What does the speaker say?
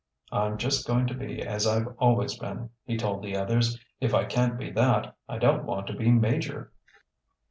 "I'm just going to be as I've always been," he told the others. "If I can't be that, I don't want to be major."